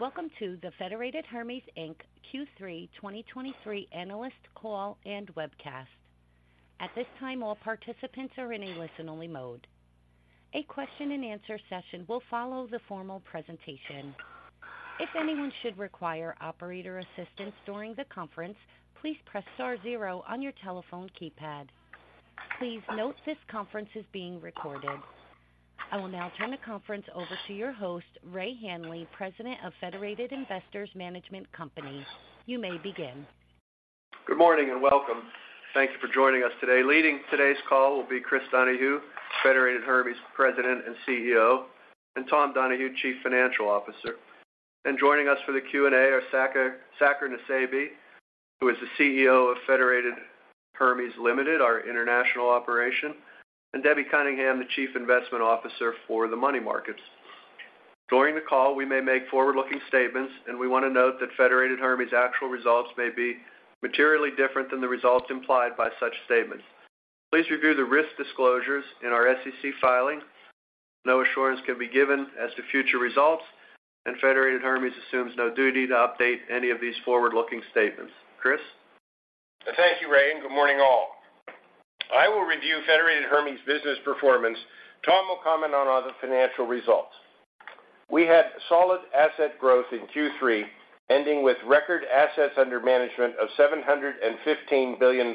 Welcome to the Federated Hermes Inc. Q3 2023 Analyst Call and Webcast. At this time, all participants are in a listen-only mode. A question-and-answer session will follow the formal presentation. If anyone should require operator assistance during the conference, please press star zero on your telephone keypad. Please note this conference is being recorded. I will now turn the conference over to your host, Ray Hanley, President of Federated Investors Management Company. You may begin. Good morning and welcome. Thank you for joining us today. Leading today's call will be Chris Donahue, Federated Hermes President and CEO, and Tom Donahue, Chief Financial Officer. And joining us for the Q&A are Saker Nusseibeh, who is the CEO of Federated Hermes Limited, our international operation, and Debbie Cunningham, the Chief Investment Officer for the money markets. During the call, we may make forward-looking statements, and we want to note that Federated Hermes actual results may be materially different than the results implied by such statements. Please review the risk disclosures in our SEC filing. No assurance can be given as to future results, and Federated Hermes assumes no duty to update any of these forward-looking statements. Chris? Thank you, Ray, and good morning, all. I will review Federated Hermes business performance. Tom will comment on all the financial results. We had solid asset growth in Q3, ending with record assets under management of $715 billion,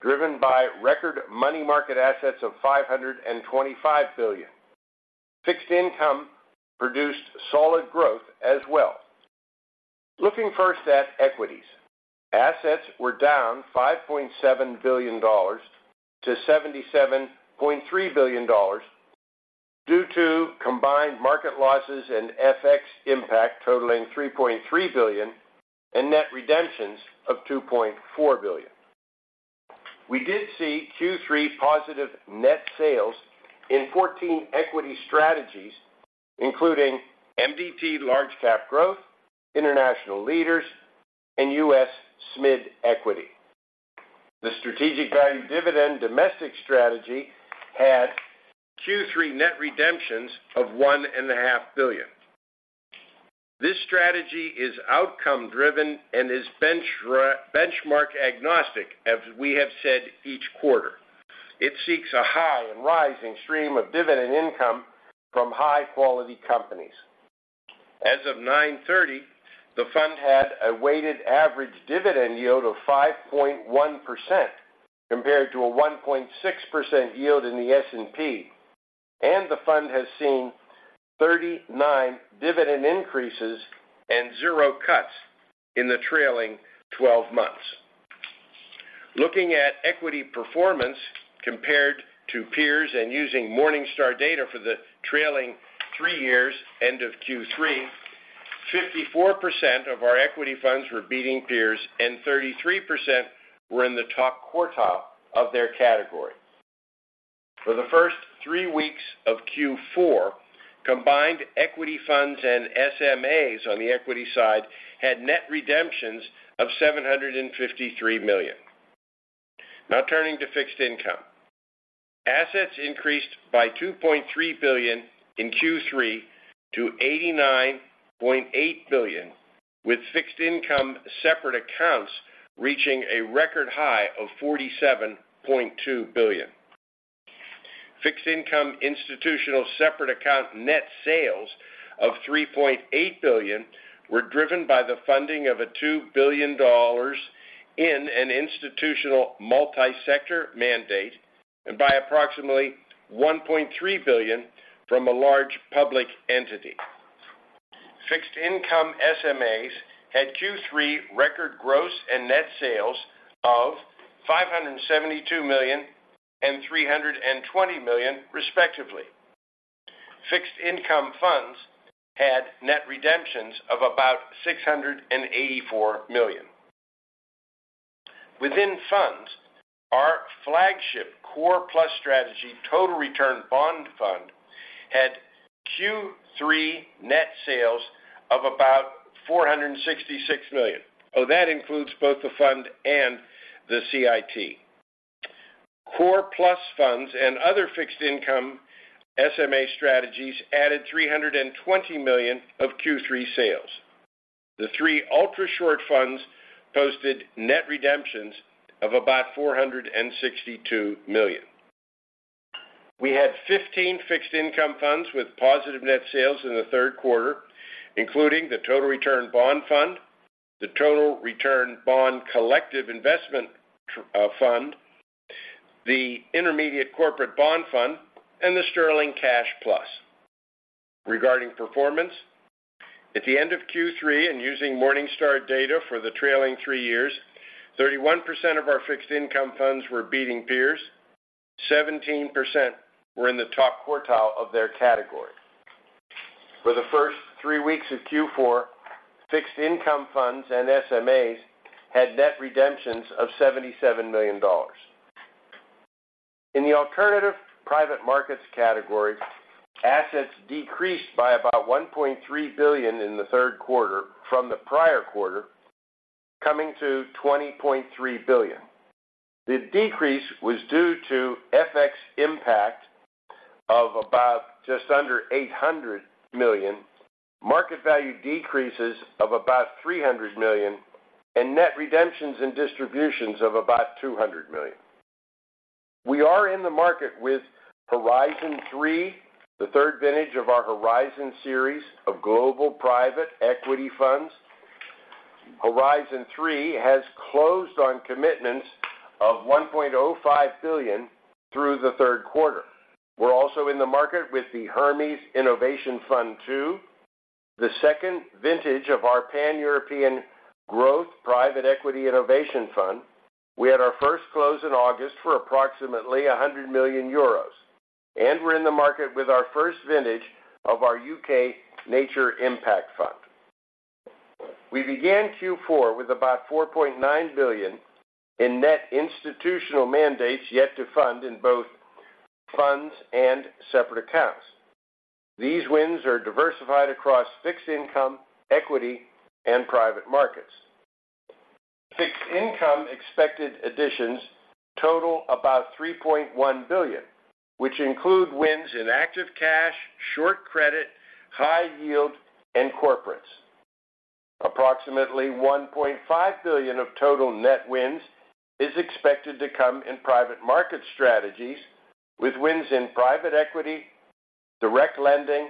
driven by record money market assets of $525 billion. Fixed income produced solid growth as well. Looking first at equities. Assets were down $5.7 billion-$77.3 billion due to combined market losses and FX impact totaling $3.3 billion and net redemptions of $2.4 billion. We did see Q3 positive net sales in 14 equity strategies, including MDT, Large Cap Growth, International Leaders, and US SMID Equity. The Strategic Value Dividend Domestic Strategy had Q3 net redemptions of $1.5 billion. This strategy is outcome-driven and is benchmark agnostic as we have said each quarter. It seeks a high and rising stream of dividend income from high-quality companies. As of 9:30 A.M., the fund had a weighted average dividend yield of 5.1%, compared to a 1.6% yield in the S&P, and the fund has seen 39 dividend increases and 0 cuts in the trailing twelve months. Looking at equity performance compared to peers and using Morningstar data for the trailing three years end of Q3, 54% of our equity funds were beating peers and 33% were in the top quartile of their category. For the first three weeks of Q4, combined equity funds and SMAs on the equity side had net redemptions of $753 million. Now turning to fixed income. Assets increased by $2.3 billion in Q3 to $89.8 billion, with fixed income separate accounts reaching a record high of $47.2 billion. Fixed income institutional separate account net sales of $3.8 billion were driven by the funding of a $2 billion dollars in an institutional multi-sector mandate and by approximately $1.3 billion from a large public entity. Fixed income SMAs had Q3 record gross and net sales of $572 million and $320 million, respectively. Fixed income funds had net redemptions of about $684 million. Within funds, our flagship Core Plus Strategy Total Return Bond Fund had Q3 net sales of about $466 million. Oh, that includes both the fund and the CIT. Core Plus funds and other fixed income SMA strategies added $320 million of Q3 sales. The three Ultrashort funds posted net redemptions of about $462 million. We had 15 fixed income funds with positive net sales in the third quarter, including the Total Return Bond Fund, the Total Return Bond Collective Investment Fund, the Intermediate Corporate Bond Fund, and the Sterling Cash Plus. Regarding performance, at the end of Q3, and using Morningstar data for the trailing three years, 31% of our fixed income funds were beating peers. 17% were in the top quartile of their category. For the first three weeks of Q4, fixed income funds and SMAs had net redemptions of $77 million. In the alternative private markets category, assets decreased by about $1.3 billion in the third quarter from the prior quarter-... Coming to $20.3 billion. The decrease was due to FX impact of about just under $800 million, market value decreases of about $300 million, and net redemptions and distributions of about $200 million. We are in the market with Horizon III, the third vintage of our Horizon series of global private equity funds. Horizon III has closed on commitments of $1.05 billion through the third quarter. We're also in the market with the Hermes Innovation Fund II, the second vintage of our Pan-European Growth private equity innovation fund. We had our first close in August for approximately 100 million euros, and we're in the market with our first vintage of our UK Nature Impact Fund. We began Q4 with about $4.9 billion in net institutional mandates, yet to fund in both funds and separate accounts. These wins are diversified across fixed income, equity, and private markets. Fixed income expected additions total about $3.1 billion, which include wins in active cash, short credit, high yield, and corporates. Approximately $1.5 billion of total net wins is expected to come in private market strategies, with wins in private equity, direct lending,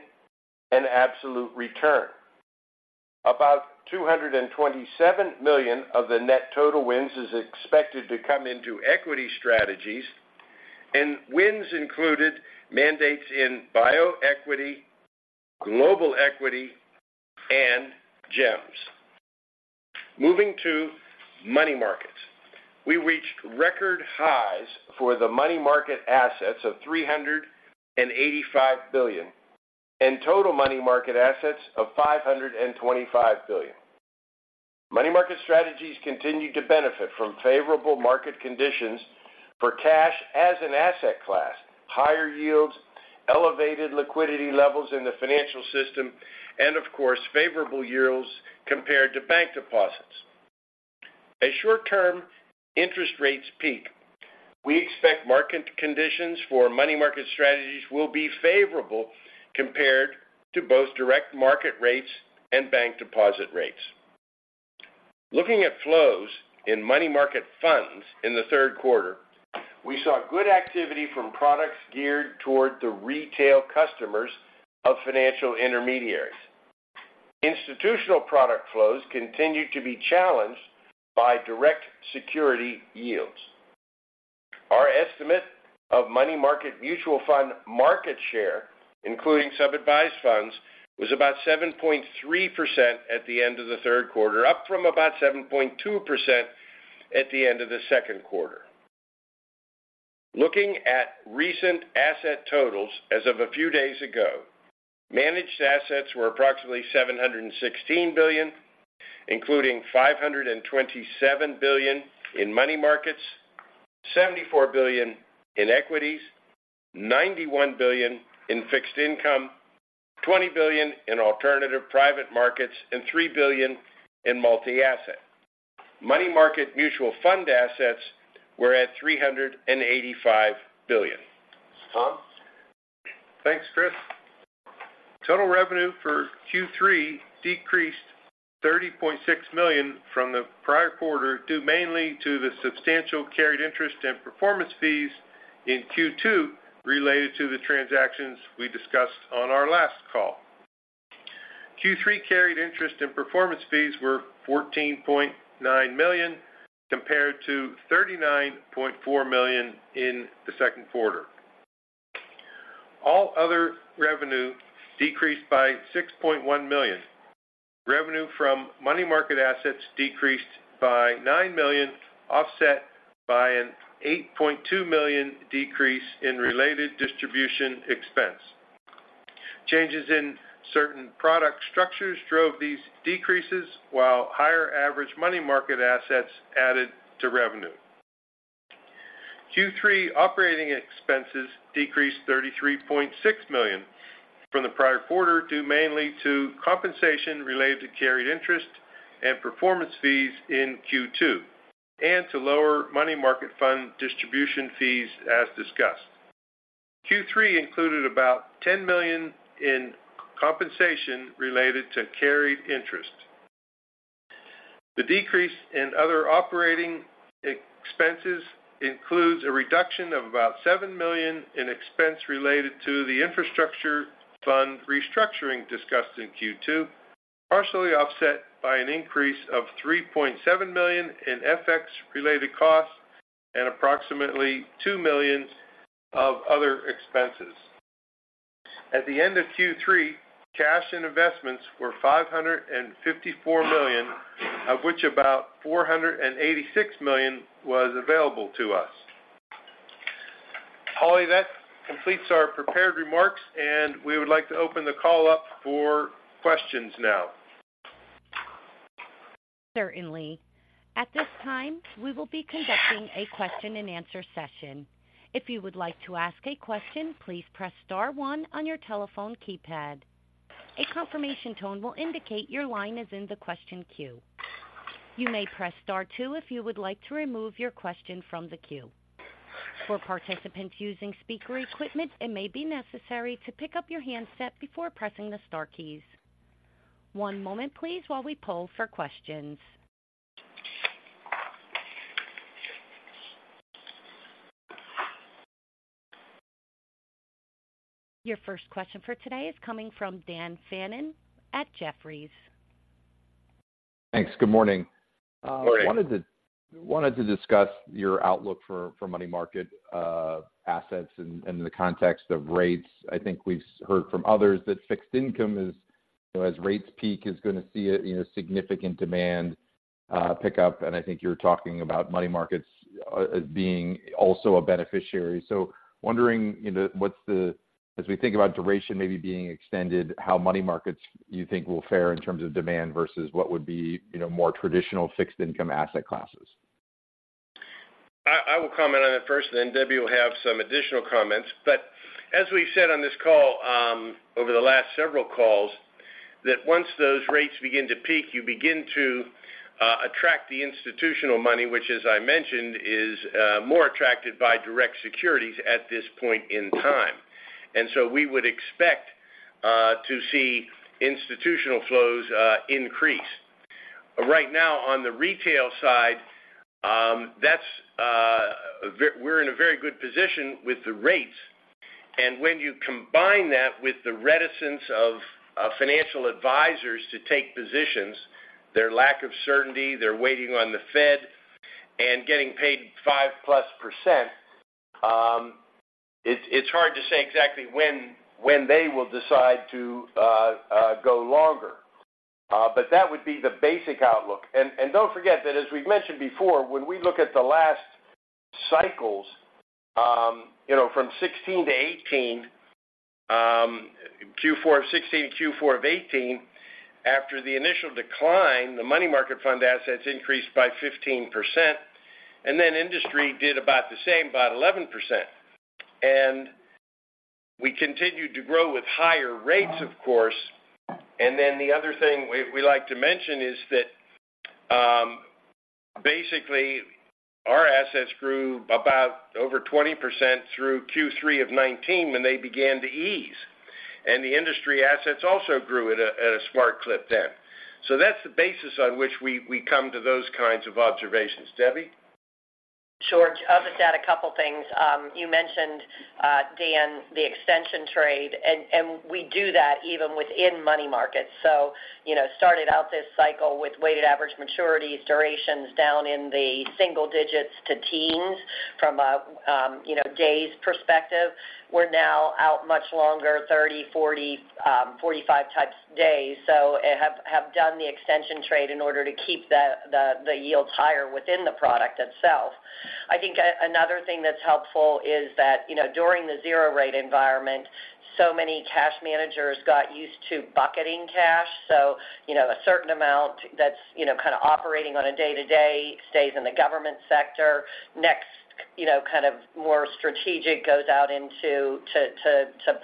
and absolute return. About $227 million of the net total wins is expected to come into equity strategies, and wins included mandates in bioequity, global equity, and GEMs. Moving to money markets. We reached record highs for the money market assets of $385 billion, and total money market assets of $525 billion. Money market strategies continued to benefit from favorable market conditions for cash as an asset class, higher yields, elevated liquidity levels in the financial system, and of course, favorable yields compared to bank deposits. As short-term interest rates peak, we expect market conditions for money market strategies will be favorable compared to both direct market rates and bank deposit rates. Looking at flows in money market funds in the third quarter, we saw good activity from products geared toward the retail customers of financial intermediaries. Institutional product flows continued to be challenged by direct security yields. Our estimate of money market mutual fund market share, including sub-advised funds, was about 7.3% at the end of the third quarter, up from about 7.2% at the end of the second quarter. Looking at recent asset totals as of a few days ago, managed assets were approximately $716 billion, including $527 billion in money markets, $74 billion in equities, $91 billion in fixed income, $20 billion in alternative private markets, and $3 billion in multi-asset. Money market mutual fund assets were at $385 billion. Tom? Thanks, Chris. Total revenue for Q3 decreased $30.6 million from the prior quarter, due mainly to the substantial carried interest and performance fees in Q2 related to the transactions we discussed on our last call. Q3 carried interest and performance fees were $14.9 million, compared to $39.4 million in the second quarter. All other revenue decreased by $6.1 million. Revenue from money market assets decreased by $9 million, offset by an $8.2 million decrease in related distribution expense. Changes in certain product structures drove these decreases, while higher average money market assets added to revenue. Q3 operating expenses decreased $33.6 million from the prior quarter, due mainly to compensation related to carried interest and performance fees in Q2, and to lower money market fund distribution fees as discussed. Q3 included about $10 million in compensation related to carried interest. The decrease in other operating expenses includes a reduction of about $7 million in expense related to the infrastructure fund restructuring discussed in Q2, partially offset by an increase of $3.7 million in FX-related costs and approximately $2 million of other expenses. At the end of Q3, cash and investments were $554 million, of which about $486 million was available to us. Holly, that completes our prepared remarks, and we would like to open the call up for questions now. Certainly. At this time, we will be conducting a question-and-answer session. If you would like to ask a question, please press Star One on your telephone keypad.... A confirmation tone will indicate your line is in the question queue. You may press star two if you would like to remove your question from the queue. For participants using speaker equipment, it may be necessary to pick up your handset before pressing the star keys. One moment please, while we poll for questions. Your first question for today is coming from Dan Fannon at Jefferies. Thanks. Good morning. Good morning. Wanted to, wanted to discuss your outlook for, for money market, assets in, in the context of rates. I think we've heard from others that fixed income is, as rates peak, is going to see a, you know, significant demand, pick up. And I think you're talking about money markets, as being also a beneficiary. So, wondering, you know, what's the as we think about duration maybe being extended, how money markets, you think, will fare in terms of demand versus what would be, you know, more traditional fixed income asset classes? I will comment on it first, then Debbie will have some additional comments. As we've said on this call, over the last several calls, once those rates begin to peak, you begin to attract the institutional money, which, as I mentioned, is more attracted by direct securities at this point in time. We would expect to see institutional flows increase. Right now, on the retail side, we're in a very good position with the rates. When you combine that with the reticence of financial advisors to take positions, their lack of certainty, they're waiting on the Fed and getting paid 5% plus, it's hard to say exactly when they will decide to go longer. That would be the basic outlook. Don't forget that, as we've mentioned before, when we look at the last cycles, you know, from 2016 to 2018, Q4 of 2016 to Q4 of 2018, after the initial decline, the money market fund assets increased by 15%, and then industry did about the same, about 11%. We continued to grow with higher rates, of course. The other thing we like to mention is that, basically, our assets grew about over 20% through Q3 of 2019, when they began to ease, and the industry assets also grew at a smart clip then. That's the basis on which we come to those kinds of observations. Debbie? George, I'll just add a couple things. You mentioned, Dan, the extension trade, and we do that even within money markets. So you know, started out this cycle with weighted average maturities, durations down in the single digits to teens from a, you know, days perspective. We're now out much longer, 30, 40, 45 types days, so and have done the extension trade in order to keep the yields higher within the product itself. I think another thing that's helpful is that, you know, during the zero-rate environment, so many cash managers got used to bucketing cash. So, you know, a certain amount that's, you know, kind of operating on a day-to-day basis, stays in the government sector. Next, you know, kind of more strategic goes out into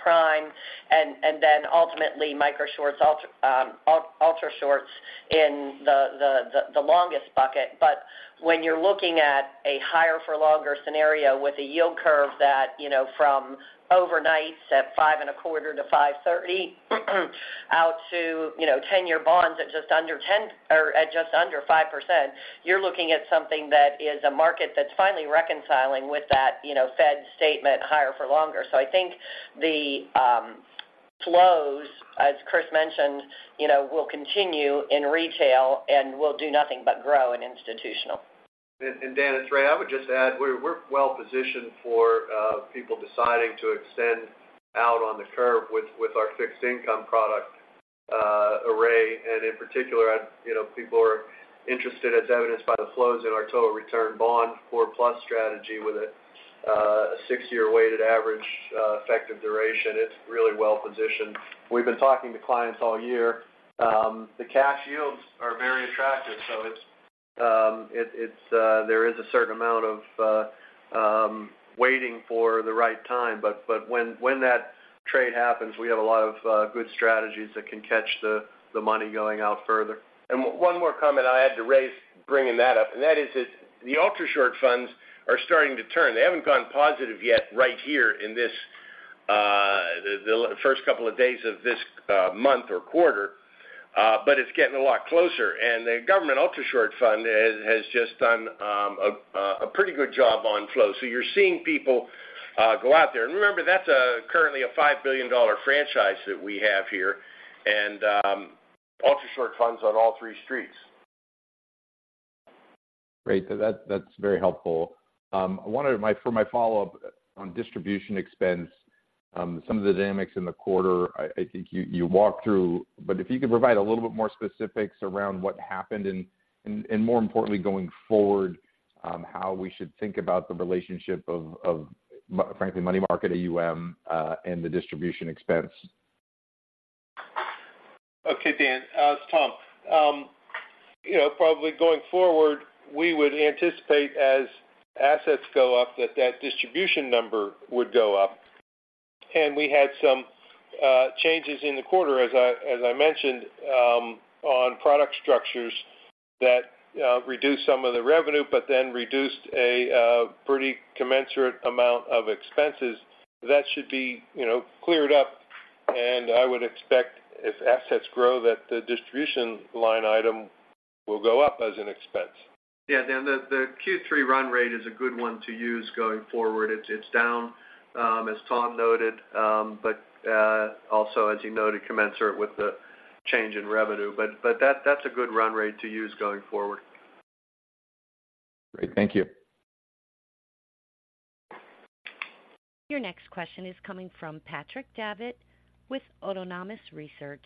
prime and then ultimately micro shorts, ultra shorts in the longest bucket. But when you're looking at a higher for longer scenario with a yield curve that, you know, from overnight at 5.25%-5.30%, out to, you know, 10-year bonds at just under 5%, you're looking at something that is a market that's finally reconciling with that, you know, Fed statement higher for longer. So I think the flows, as Chris mentioned, you know, will continue in retail and will do nothing but grow in institutional. And, Dan, it's Ray. I would just add, we're well positioned for people deciding to extend out on the curve with our fixed income product array. And in particular, you know, people are interested, as evidenced by the flows in our Total Return Bond Core Plus strategy with a six-year weighted average effective duration. It's really well positioned. We've been talking to clients all year. The cash yields are very attractive, so it's there is a certain amount of waiting for the right time. But when that trade happens, we have a lot of good strategies that can catch the money going out further. One more comment I had to raise, bringing that up, and that is that the ultra-short funds are starting to turn. They haven't gone positive yet, right here in this, the first couple of days of this month or quarter, but it's getting a lot closer. And the Government Ultrashort Fund has just done a pretty good job on flow. So you're seeing people go out there. And remember, that's currently a $5 billion franchise that we have here, and ultra-short funds on all three streets. Great. So that, that's very helpful. I wanted my follow-up on distribution expense, some of the dynamics in the quarter, I think you walked through, but if you could provide a little bit more specifics around what happened and more importantly, going forward, how we should think about the relationship of frankly, money market, AUM, and the distribution expense. Okay, Dan, it's Tom.... You know, probably going forward, we would anticipate as assets go up, that that distribution number would go up. And we had some changes in the quarter, as I mentioned on product structures that reduced some of the revenue, but then reduced a pretty commensurate amount of expenses. That should be, you know, cleared up, and I would expect if assets grow, that the distribution line item will go up as an expense. Yeah, then the Q3 run rate is a good one to use going forward. It's down, as Tom noted, but also, as you noted, commensurate with the change in revenue. But that's a good run rate to use going forward. Great. Thank you. Your next question is coming from Patrick Davitt with Autonomous Research.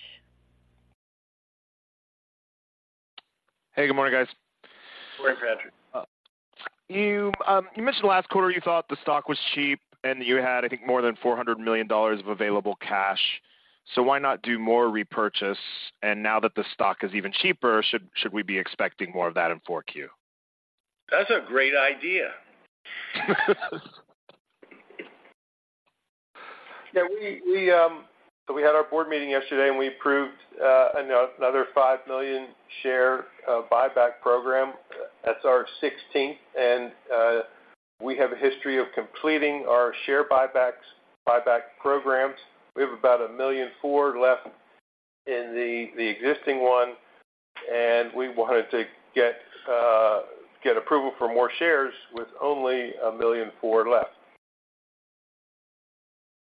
Hey, good morning, guys. Good morning, Patrick. You, you mentioned last quarter you thought the stock was cheap and you had, I think, more than $400 million of available cash, so why not do more repurchase? And now that the stock is even cheaper, should we be expecting more of that in 4Q? That's a great idea. Yeah, we had our board meeting yesterday, and we approved another $5 million share buyback program. That's our 16th, and we have a history of completing our share buybacks, buyback programs. We have about 1.4 million left in the existing one, and we wanted to get approval for more shares with only 1.4 million left.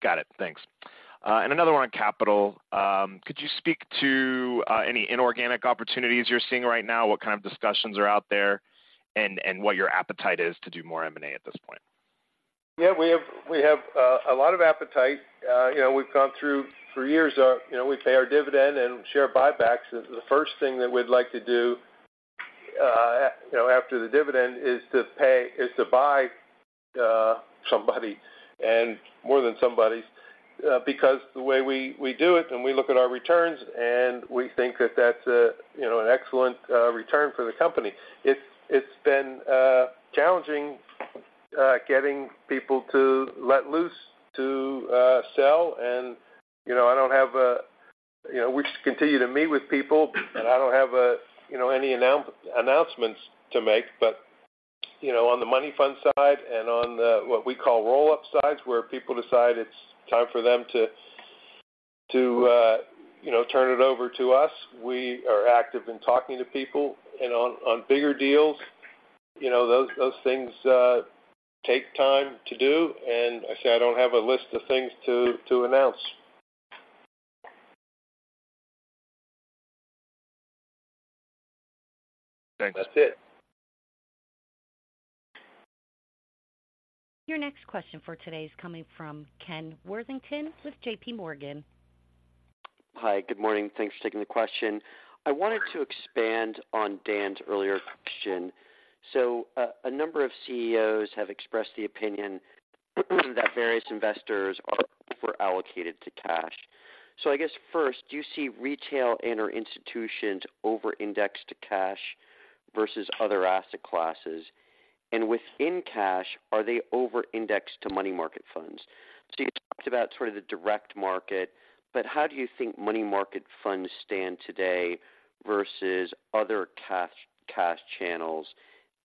Got it. Thanks. Another one on capital. Could you speak to any inorganic opportunities you're seeing right now? What kind of discussions are out there, and what your appetite is to do more M&A at this point? Yeah, we have a lot of appetite. You know, we've gone through for years. You know, we pay our dividend and share buybacks. The first thing that we'd like to do, you know, after the dividend, is to buy somebody and more than somebodies, because the way we do it and we look at our returns, and we think that that's a, you know, an excellent return for the company. It's been challenging getting people to let loose to sell. And, you know, I don't have a. You know, we just continue to meet with people, and I don't have a, you know, any announcements to make. But, you know, on the money fund side and on the, what we call roll-up sides, where people decide it's time for them to you know turn it over to us, we are active in talking to people. And on bigger deals, you know, those things take time to do, and I say I don't have a list of things to announce. Thanks. That's it. Your next question for today is coming from Ken Worthington with JP Morgan. Hi, good morning. Thanks for taking the question. I wanted to expand on Dan's earlier question. So a number of CEOs have expressed the opinion that various investors are over-allocated to cash. So I guess first, do you see retail and/or institutions over-indexed to cash versus other asset classes? And within cash, are they over-indexed to money market funds? So you talked about sort of the direct market, but how do you think money market funds stand today versus other cash channels?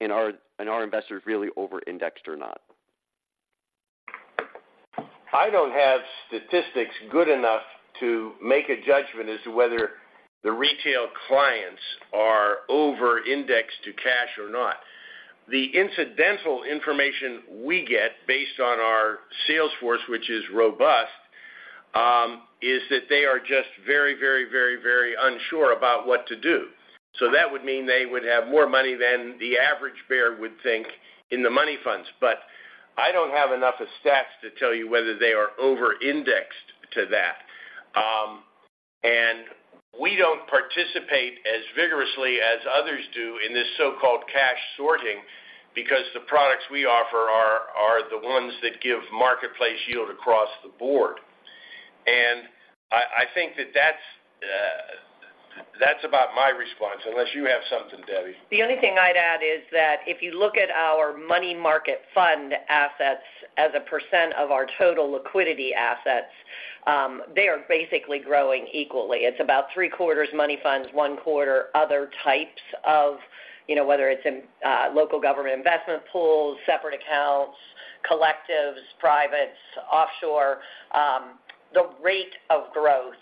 And are investors really over-indexed or not? I don't have statistics good enough to make a judgment as to whether the retail clients are over-indexed to cash or not. The incidental information we get based on our sales force, which is robust, is that they are just very, very, very, very unsure about what to do. So that would mean they would have more money than the average bear would think in the money funds. But I don't have enough of stats to tell you whether they are over-indexed to that. And we don't participate as vigorously as others do in this so-called cash sorting, because the products we offer are the ones that give marketplace yield across the board. And I think that's about my response, unless you have something, Debbie. The only thing I'd add is that if you look at our money market fund assets as a % of our total liquidity assets, they are basically growing equally. It's about three quarters money funds, one quarter other types of, you know, whether it's in, local government investment pools, separate accounts, collectives, privates, offshore. The rate of growth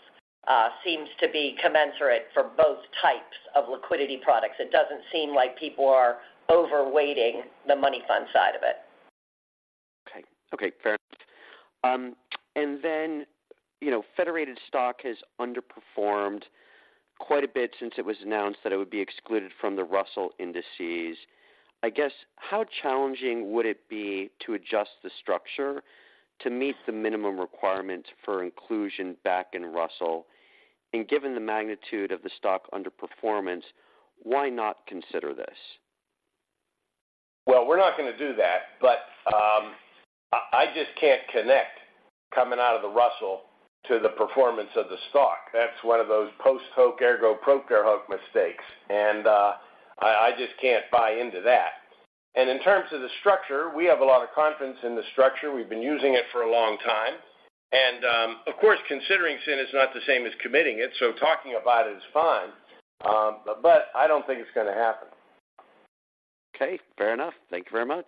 seems to be commensurate for both types of liquidity products. It doesn't seem like people are overweighting the money fund side of it. Okay. Okay, fair enough. And then, you know, Federated stock has underperformed quite a bit since it was announced that it would be excluded from the Russell Indices. I guess, how challenging would it be to adjust the structure to meet the minimum requirements for inclusion back in Russell? And given the magnitude of the stock underperformance, why not consider this?... Well, we're not going to do that, but, I, I just can't connect coming out of the Russell to the performance of the stock. That's one of those post hoc ergo propter hoc mistakes, and, I, I just can't buy into that. And in terms of the structure, we have a lot of confidence in the structure. We've been using it for a long time. And, of course, considering sin is not the same as committing it, so talking about it is fine, but I don't think it's going to happen. Okay, fair enough. Thank you very much.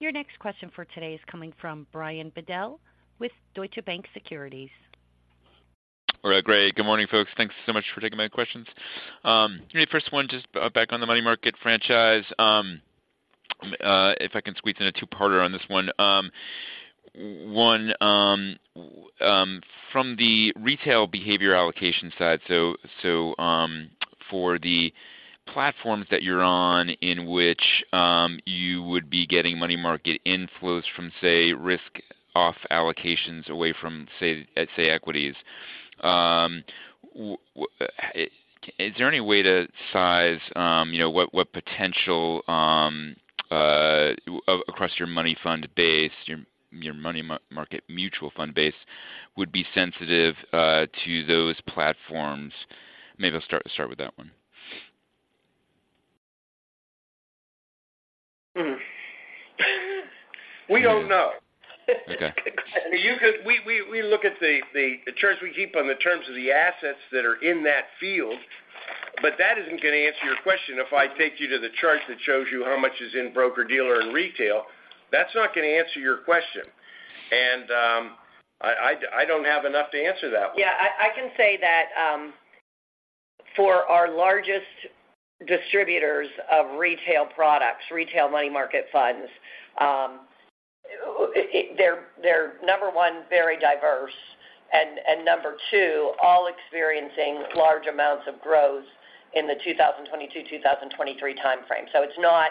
Your next question for today is coming from Brian Bedell with Deutsche Bank Securities. All right, great. Good morning, folks. Thanks so much for taking my questions. Maybe first one, just back on the money market franchise. If I can squeeze in a two-parter on this one. One, from the retail behavior allocation side, so, for the platforms that you're on, in which you would be getting money market inflows from, say, risk off allocations away from, say, at, say, equities, is there any way to size, you know, what, what potential, across your money fund base, your money market mutual fund base would be sensitive to those platforms? Maybe I'll start with that one. Hmm. We don't know. Okay. We look at the charts we keep on the terms of the assets that are in that field, but that isn't going to answer your question. If I take you to the chart that shows you how much is in broker-dealer and retail, that's not going to answer your question. I don't have enough to answer that one. Yeah, I can say that for our largest distributors of retail products, retail money market funds, they're number one, very diverse, and number two, all experiencing large amounts of growth in the 2022-2023 timeframe. So it's not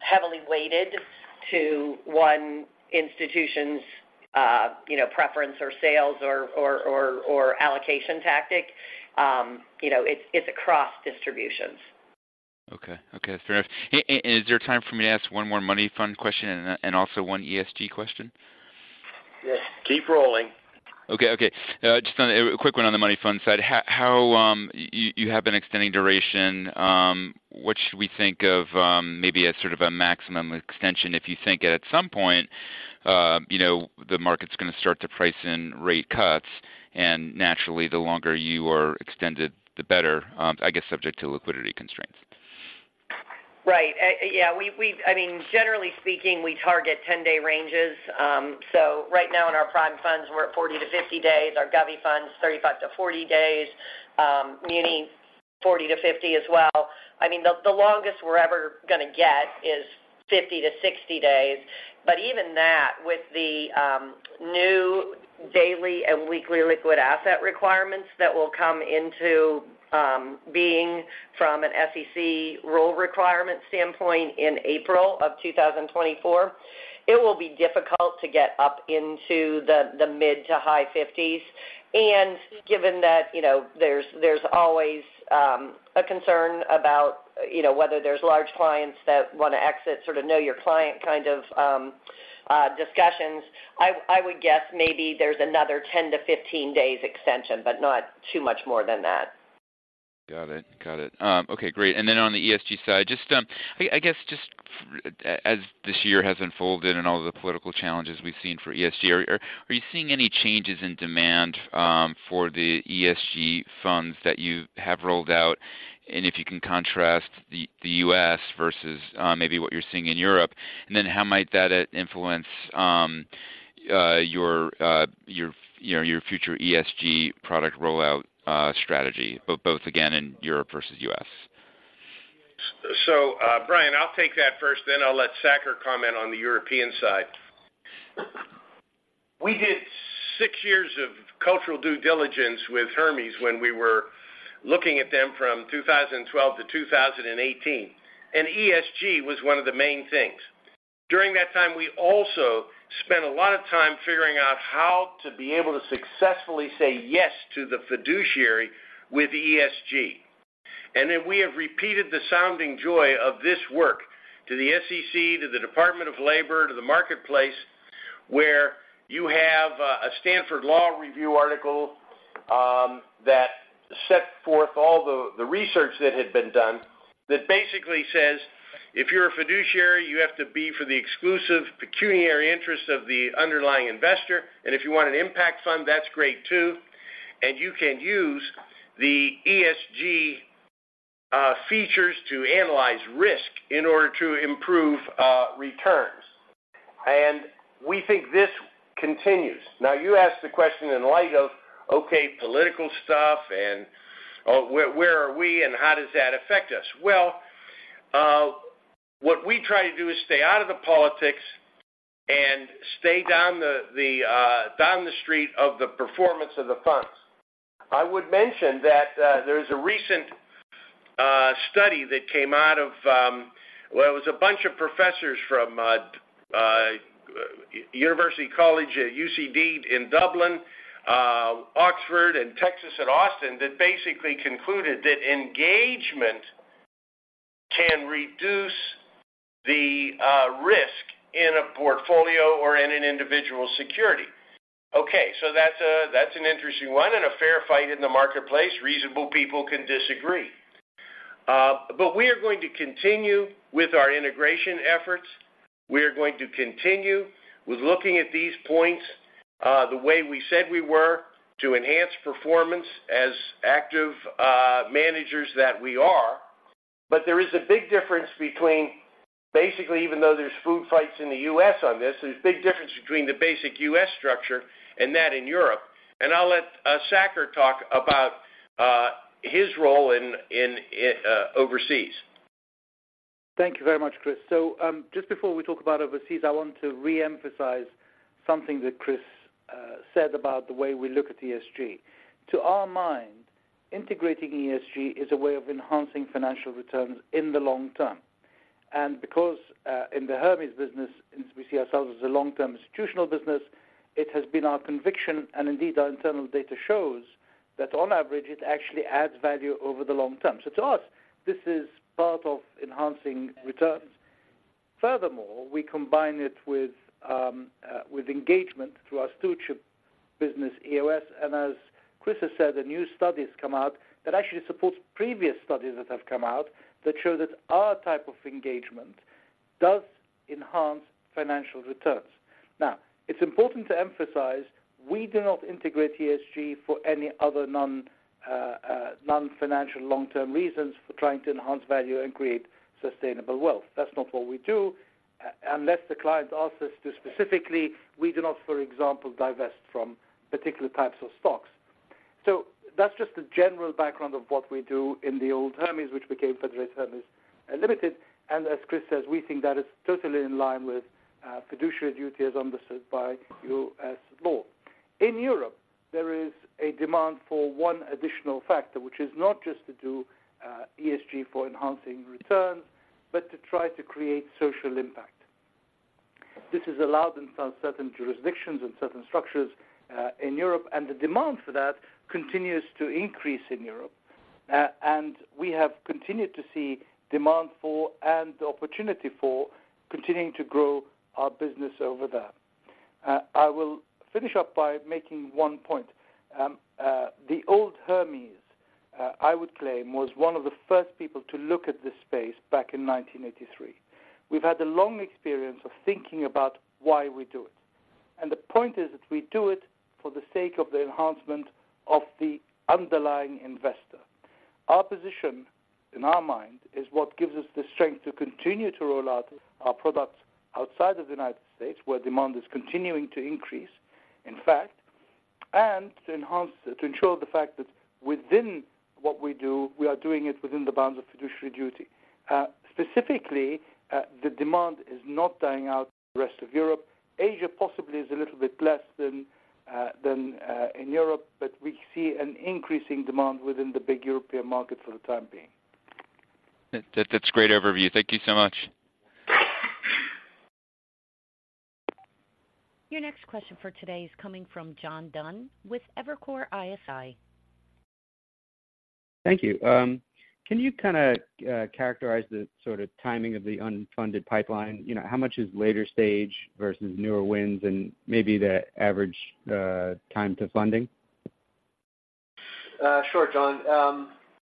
heavily weighted to one institution's you know, preference or sales or allocation tactic. You know, it's across distributions. Okay. Okay, fair enough. And is there time for me to ask one more money fund question and also one ESG question? Yes. Keep rolling. Okay, okay. Just on a quick one on the money fund side, how you have been extending duration, what should we think of maybe as sort of a maximum extension, if you think at some point you know the market's going to start to price in rate cuts, and naturally, the longer you are extended, the better, I guess, subject to liquidity constraints? Right. Yeah, we—I mean, generally speaking, we target 10-day ranges. So right now in our prime funds, we're at 40-50 days, our Govi funds, 35-40 days, muni, 40-50 as well. I mean, the longest we're ever gonna get is 50-60 days. But even that, with the new daily and weekly liquid asset requirements that will come into being from an SEC rule requirement standpoint in April of 2024, it will be difficult to get up into the mid- to high 50s. And given that, you know, there's always a concern about, you know, whether there's large clients that want to exit, sort of know your client kind of discussions. I would guess maybe there's another 10-15 days extension, but not too much more than that. Got it. Got it. Okay, great. And then on the ESG side, just, I guess, just, as this year has unfolded and all the political challenges we've seen for ESG, are you seeing any changes in demand for the ESG funds that you have rolled out? And if you can contrast the U.S. versus maybe what you're seeing in Europe. And then how might that influence your you know, your future ESG product rollout strategy, both again, in Europe versus U.S.? Brian, I'll take that first, then I'll let Saker comment on the European side. We did six years of cultural due diligence with Hermes when we were looking at them from 2012 to 2018, and ESG was one of the main things. During that time, we also spent a lot of time figuring out how to be able to successfully say yes to the fiduciary with ESG. We have repeated the sounding joy of this work to the SEC, to the Department of Labor, to the marketplace, where you have a Stanford Law Review article that set forth all the research that had been done, that basically says, if you're a fiduciary, you have to be for the exclusive pecuniary interest of the underlying investor. If you want an impact fund, that's great, too. You can use the ESG features to analyze risk in order to improve returns. We think this continues. Now, you asked the question in light of, okay, political stuff and, where, where are we and how does that affect us? Well, what we try to do is stay out of the politics and stay down the street of the performance of the funds. I would mention that there is a recent study that came out of, well, it was a bunch of professors from University College at UCD in Dublin, Oxford, and University of Texas at Austin, that basically concluded that engagement can reduce the risk in a portfolio or in an individual security. Okay, so that's an interesting one and a fair fight in the marketplace. Reasonable people can disagree. But we are going to continue with our integration efforts. We are going to continue with looking at these points, the way we said we were, to enhance performance as active managers that we are. But there is a big difference between basically, even though there's food fights in the U.S. on this, there's a big difference between the basic U.S. structure and that in Europe. And I'll let Saker talk about his role in overseas. Thank you very much, Chris. So, just before we talk about overseas, I want to reemphasize something that Chris said about the way we look at ESG. To our mind, integrating ESG is a way of enhancing financial returns in the long term. And because in the Hermes business, and we see ourselves as a long-term institutional business, it has been our conviction, and indeed, our internal data shows, that on average, it actually adds value over the long term. So to us, this is part of enhancing returns. Furthermore, we combine it with engagement through our stewardship business, EOS. And as Chris has said, the new studies come out that actually supports previous studies that have come out, that show that our type of engagement does enhance financial returns. Now, it's important to emphasize, we do not integrate ESG for any other non-financial, long-term reasons for trying to enhance value and create sustainable wealth. That's not what we do. Unless the client asks us to, specifically, we do not, for example, divest from particular types of stocks. So that's just a general background of what we do in the old Hermes, which became Federated Hermes Limited. And as Chris says, we think that is totally in line with fiduciary duty as understood by U.S. law. In Europe, there is a demand for one additional factor, which is not just to do ESG for enhancing returns, but to try to create social impact. This is allowed in some certain jurisdictions and certain structures in Europe, and the demand for that continues to increase in Europe. We have continued to see demand for, and the opportunity for, continuing to grow our business over there. I will finish up by making one point. The old Hermes, I would claim, was one of the first people to look at this space back in 1983. We've had a long experience of thinking about why we do it, and the point is that we do it for the sake of the enhancement of the underlying investor. Our position, in our mind, is what gives us the strength to continue to roll out our products outside of the United States, where demand is continuing to increase, in fact, and to enhance, to ensure the fact that within what we do, we are doing it within the bounds of fiduciary duty. Specifically, the demand is not dying out in the rest of Europe. Asia possibly is a little bit less than in Europe, but we see an increasing demand within the big European market for the time being. That's a great overview. Thank you so much. Your next question for today is coming from John Dunn with Evercore ISI. Thank you. Can you kinda characterize the sort of timing of the unfunded pipeline? You know, how much is later stage versus newer wins and maybe the average time to funding? Sure, John.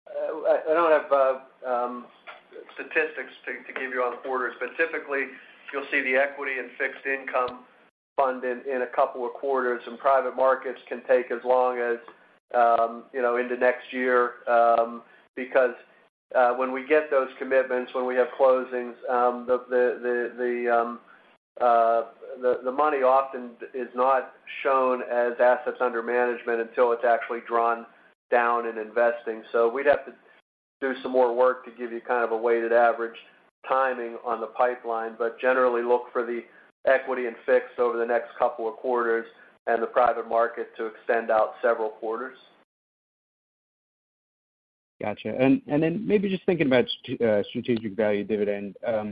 I don't have statistics to give you on the quarter. Specifically, you'll see the equity and fixed income fund in a couple of quarters, and private markets can take as long as, you know, into next year. Because when we get those commitments, when we have closings, the money often is not shown as assets under management until it's actually drawn down in investing. So we'd have to do some more work to give you kind of a weighted average timing on the pipeline. Generally, look for the equity and fixed over the next couple of quarters and the private market to extend out several quarters. Gotcha. And then maybe just thinking about Strategic Value Dividend, can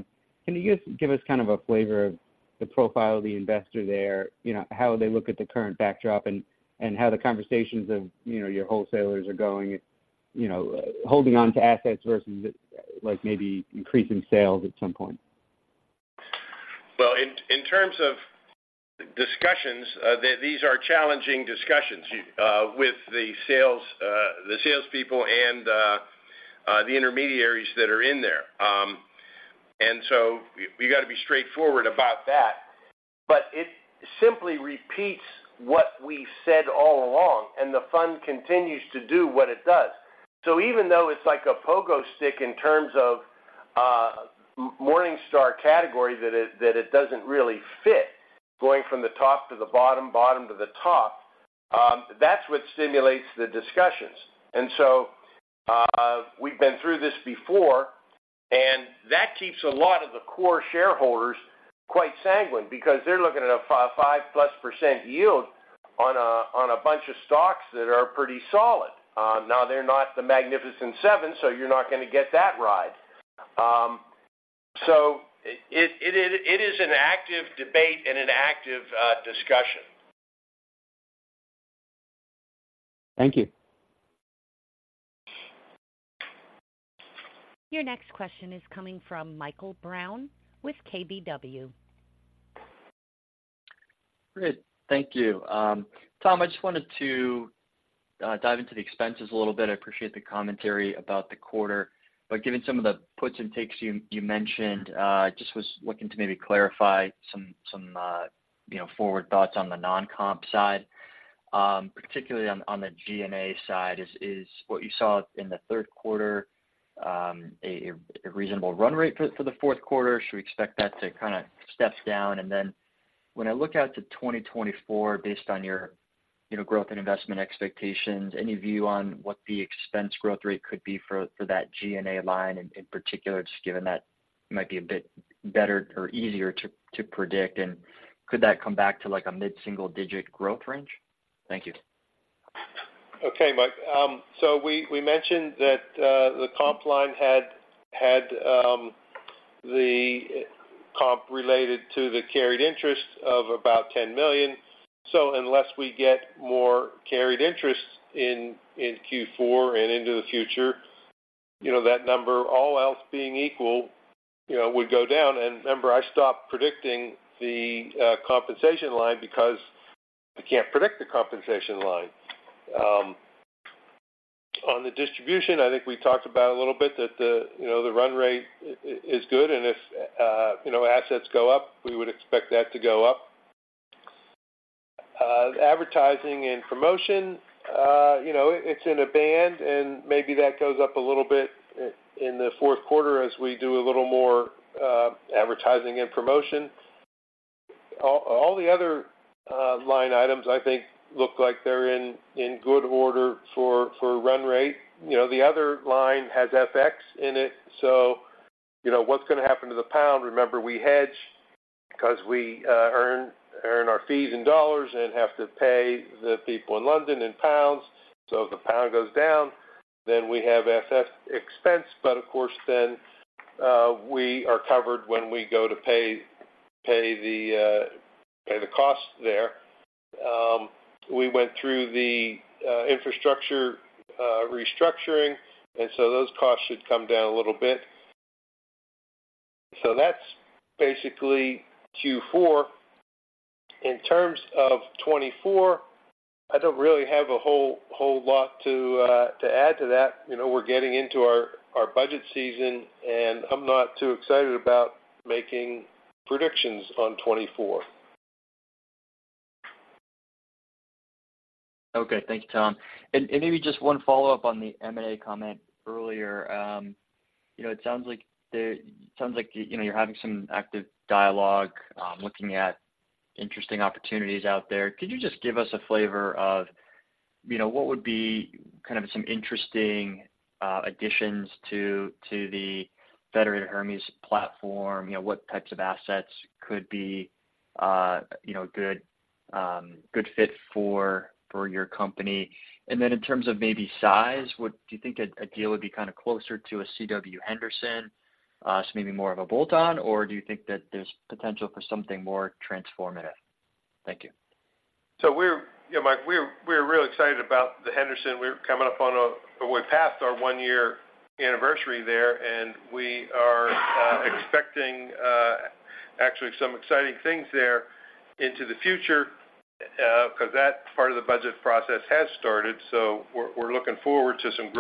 you give, give us kind of a flavor of the profile of the investor there? You know, how they look at the current backdrop, and how the conversations of, you know, your wholesalers are going, you know, holding on to assets versus, like, maybe increasing sales at some point? Well, in terms of discussions, these are challenging discussions with the sales, the salespeople and, the intermediaries that are in there. And so we gotta be straightforward about that. But it simply repeats what we said all along, and the fund continues to do what it does. So even though it's like a pogo stick in terms of, Morningstar category, that it doesn't really fit, going from the top to the bottom, bottom to the top, that's what stimulates the discussions. And so, we've been through this before. ...And that keeps a lot of the core shareholders quite sanguine because they're looking at a 5%+ yield on a, on a bunch of stocks that are pretty solid. Now they're not the Magnificent Seven, so you're not gonna get that ride. So it is an active debate and an active discussion. Thank you. Your next question is coming from Michael Brown with KBW. Great, thank you. Tom, I just wanted to dive into the expenses a little bit. I appreciate the commentary about the quarter, but given some of the puts and takes you mentioned, I just was looking to maybe clarify some, you know, forward thoughts on the non-comp side. Particularly on the GNA side, is what you saw in the third quarter a reasonable run rate for the fourth quarter? Should we expect that to kinda step down? And then when I look out to 2024, based on your, you know, growth and investment expectations, any view on what the expense growth rate could be for that GNA line in particular, just given that might be a bit better or easier to predict? And could that come back to, like, a mid-single-digit growth range? Thank you. Okay, Mike. So we mentioned that the comp line had the comp related to the carried interest of about $10 million. So unless we get more carried interest in Q4 and into the future, you know, that number, all else being equal, you know, would go down. And remember, I stopped predicting the compensation line because you can't predict the compensation line. On the distribution, I think we talked about a little bit that the, you know, the run rate is good, and if, you know, assets go up, we would expect that to go up. Advertising and promotion, you know, it's in a band, and maybe that goes up a little bit in the fourth quarter as we do a little more advertising and promotion. All the other line items I think look like they're in good order for run rate. You know, the other line has FX in it, so you know what's gonna happen to the pound? Remember, we hedge because we earn our fees in dollars and have to pay the people in London in pounds. So if the pound goes down, then we have FX expense. But of course, then we are covered when we go to pay the costs there. We went through the infrastructure restructuring, and so those costs should come down a little bit. So that's basically Q4. In terms of 2024, I don't really have a whole lot to add to that. You know, we're getting into our budget season, and I'm not too excited about making predictions on 2024. Okay. Thank you, Tom. Maybe just one follow-up on the M&A comment earlier. You know, it sounds like there-- it sounds like, you know, you're having some active dialogue, looking at interesting opportunities out there. Could you just give us a flavor of, you know, what would be kind of some interesting, you know, additions to the Federated Hermes platform? You know, what types of assets could be, you know, a good, good fit for your company? In terms of maybe size, would you think a deal would be kinda closer to a C.W. Henderson, so maybe more of a bolt-on, or do you think that there's potential for something more transformative? Thank you. We're really excited about the Henderson. We're coming up on our one-year anniversary there, and we are actually expecting some exciting things there into the future, 'cause that part of the budget process has started, so we're looking forward to some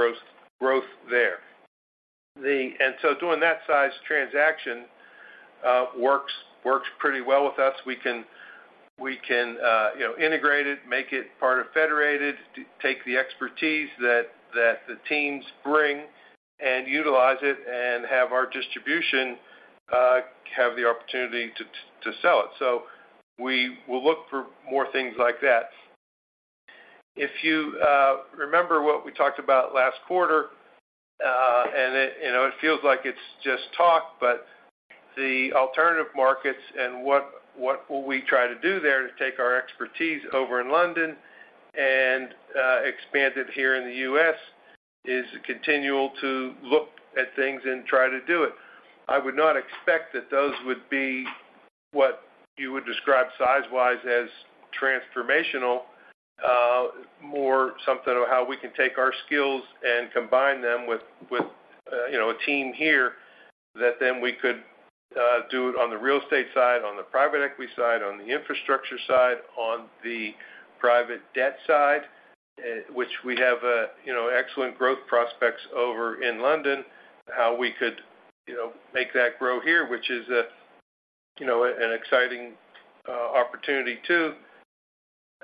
growth there. Doing that size transaction works pretty well with us. We can, you know, integrate it, make it part of Federated, take the expertise that the teams bring and utilize it, and have our distribution have the opportunity to sell it. We will look for more things like that. If you remember what we talked about last quarter, and it, you know, it feels like it's just talk, but the alternative markets and what will we try to do there to take our expertise over in London and expand it here in the U.S., is continual to look at things and try to do it. I would not expect that those would be what you would describe size-wise as transformational, more something of how we can take our skills and combine them with, you know, a team here. That then we could do it on the real estate side, on the private equity side, on the infrastructure side, on the private debt side, which we have, you know, excellent growth prospects over in London. How we could, you know, make that grow here, which is a, you know, an exciting, opportunity, too.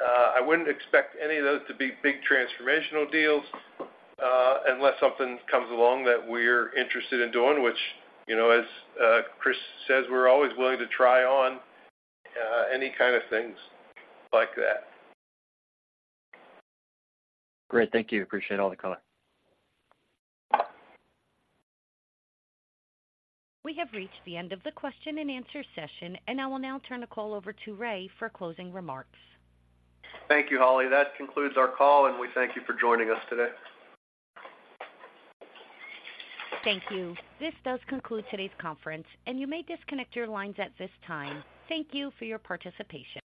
I wouldn't expect any of those to be big transformational deals, unless something comes along that we're interested in doing, which, you know, as, Chris says, we're always willing to try on, any kind of things like that. Great. Thank you. Appreciate all the color. We have reached the end of the question and answer session, and I will now turn the call over to Ray for closing remarks. Thank you, Holly. That concludes our call, and we thank you for joining us today. Thank you. This does conclude today's conference, and you may disconnect your lines at this time. Thank you for your participation.